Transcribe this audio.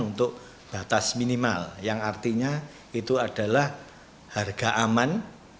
untuk batas minimal yang artinya itu adalah harga aman